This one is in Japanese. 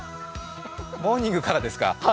モーニングからですか？